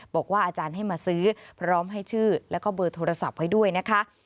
บอกว่าอาจารย์ให้มาซื้อพร้อมให้ชื่อแล้วก็เบอร์โทรศัพท์ไว้ด้วยนะคะ